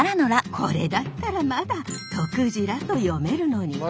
これだったらまだとくじらと読めるのに。